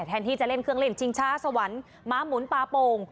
แทนที่จะเล่นเครื่องเล่นชิงช้าสวรรค์ม้าหมุนปลาโป่ง